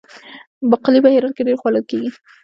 باقلي په هرات کې ډیر خوړل کیږي.